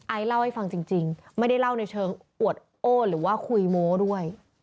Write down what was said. เล่าให้ฟังจริงไม่ได้เล่าในเชิงอวดโอ้หรือว่าคุยโม้ด้วย